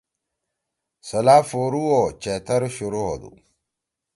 سلا پھورُو او چیتر شروع ہودُو۔